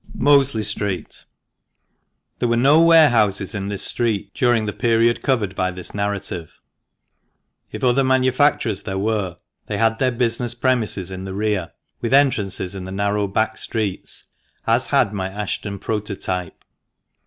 MOSLEY STREET. — There were no warehouses in this street during the period covered by this narrative. If other manufacturers there were, they had their business premises in the rear, with entrances in the narrow back streets, as had my Ashton prototype.